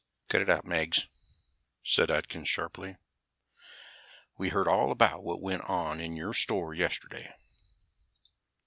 "Cut it out, Meggs," said Atkins sharply. "We heard all about what went on in your store yesterday."